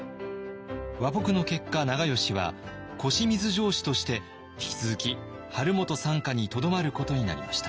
和睦の結果長慶は越水城主として引き続き晴元傘下にとどまることになりました。